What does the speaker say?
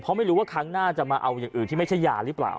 เพราะไม่รู้ว่าครั้งหน้าจะมาเอาอย่างอื่นที่ไม่ใช่ยาหรือเปล่า